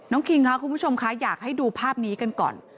คิงค่ะคุณผู้ชมคะอยากให้ดูภาพนี้กันก่อน